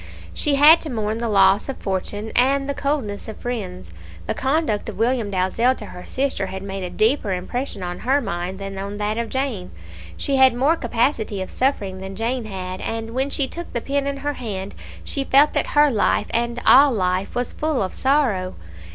She had to mourn the loss of fortune and the coldness of friends; the conduct of William Dalzell to her sister had made a deeper impression on her mind than on that of Jane. She had more capacity of suffering than Jane had, and when she took the pen in her hand, she felt that her life and all life was full of sorrow.